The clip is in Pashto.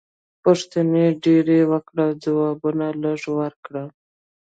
پوښتنې ډېرې وکړه ځوابونه لږ ورکړه.